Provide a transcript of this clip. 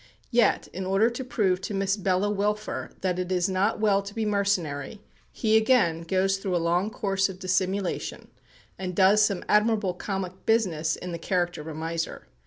Yet, in order to prove to Miss Bella Wilfer that it is not well to be mercenary, he, again, goes through a long course of dissimulation, and does some admirable comic business in the character of a miser.